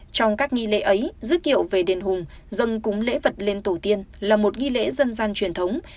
trong các nghi lễ ấy dước kiệu về đền hùng dâng cúng lễ vật lên tổ tiên là một nghi lễ dân gian truyền thống